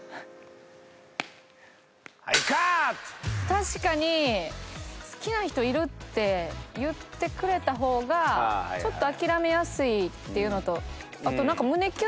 確かに好きな人いるって言ってくれた方がちょっと諦めやすいっていうのと。